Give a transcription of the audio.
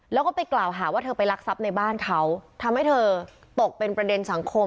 แล้วก็ไปกล่าวหาว่าเธอไปรักทรัพย์ในบ้านเขาทำให้เธอตกเป็นประเด็นสังคม